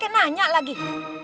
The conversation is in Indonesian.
tentu saya mau ngelabrak bella